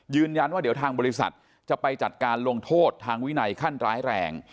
ยืนยันว่าเดี๋ยวทางบริษัทจะไปจัดการลงโทษทางวินัยขั้นร้ายแรง